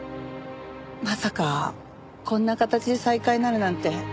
まさかこんな形で再会になるなんて夢にも。